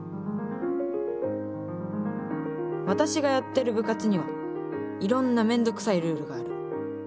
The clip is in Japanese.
私がやってる部活にはいろんな面倒くさいルールがある。